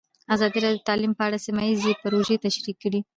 ازادي راډیو د تعلیم په اړه سیمه ییزې پروژې تشریح کړې.